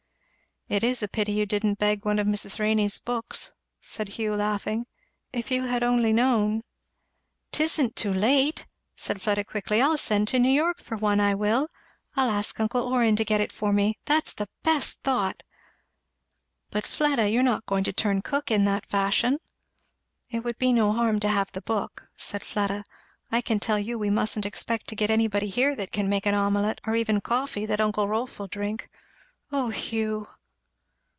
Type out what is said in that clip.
"It is a pity you didn't beg one of Mrs. Renney's books," said Hugh laughing. "If you had only known " "'Tisn't too late!" said Fleda quickly, "I'll send to New York for one. I will! I'll ask uncle Orrin to get it for me. That's the best thought! " "But, Fleda! you're not going to turn cook in that fashion?" "It would be no harm to have the book," said Fleda. "I can tell you we mustn't expect to get anybody here that can make an omelette, or even coffee, that uncle Rolf will drink. Oh Hugh!